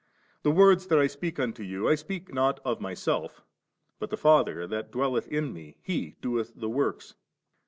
the words that I speak unto you, I speak not of Myself, but the Father thatdwelleth in Me, He doeth the works.